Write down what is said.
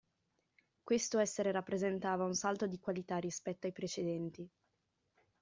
Questo essere rappresentava un salto di qualità rispetto ai precedenti.